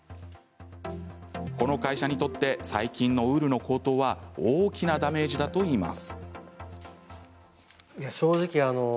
この会社にとって最近のウールの高騰は大きなダメージだといいます。